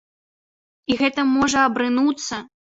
І гэта можа абрынуцца!